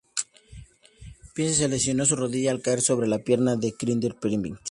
Pierce se lesionó su rodilla al caer sobre la pierna de Kendrick Perkins.